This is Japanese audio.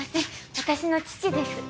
私の父です